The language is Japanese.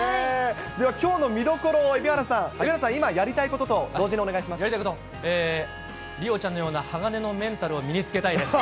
では、きょうの見どころを蛯原さん、今やりたいことと同時にお願やりたいこと、梨央ちゃんのような鋼のメンタルを身につけたいです。